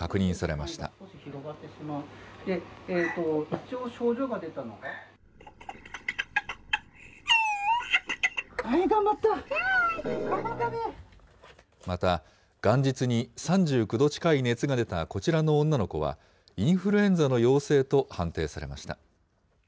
また元日に３９度近い熱が出たこちらの女の子は、インフルエンザの陽性と判定されました。